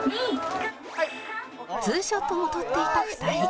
ツーショットも撮っていた２人